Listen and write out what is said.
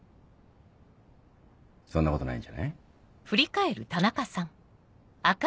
そんなことないんじゃない？